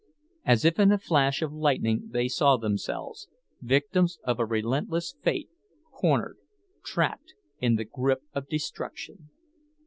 As if in a flash of lightning they saw themselves—victims of a relentless fate, cornered, trapped, in the grip of destruction.